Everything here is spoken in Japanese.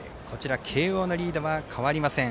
慶応のリードは変わりません。